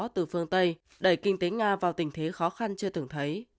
từ phương tây đẩy kinh tế nga vào tình thế khó khăn chưa từng thấy